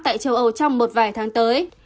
tại châu âu trong một vài tháng tới